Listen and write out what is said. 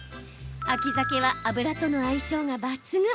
秋ザケは油との相性が抜群。